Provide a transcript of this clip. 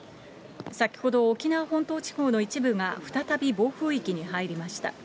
先ほど、沖縄本島地方の一部が再び暴風域に入りました。